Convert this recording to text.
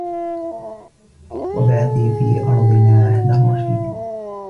و ابعثي في أرضنا عهد الرشيد